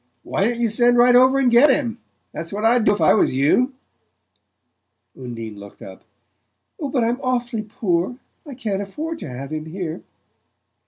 Why don't you send right over and get him? That's what I'd do if I was you." Undine looked up. "But I'm awfully poor; I can't afford to have him here."